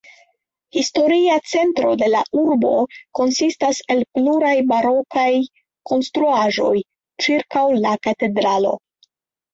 Historia centro de la urbo konsistas el pluraj barokaj konstruaĵoj ĉirkaŭ la katedralo.